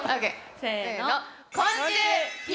せの。